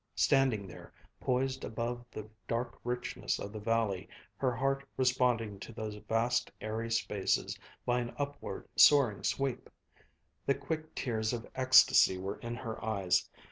Standing there, poised above the dark richness of the valley, her heart responding to those vast airy spaces by an upward soaring sweep, the quick tears of ecstasy were in her eyes.